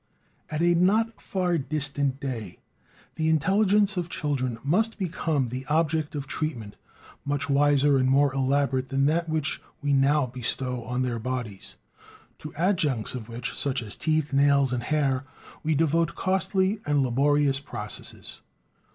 At a not far distant day, the intelligence of children must become the object of treatment much wiser and more elaborate than that which we now bestow on their bodies, to adjuncts of which, such as teeth, nails, and hair, we devote costly and laborious processes.